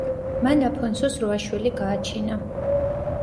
მან აფონსუს რვა შვილი გააჩინა.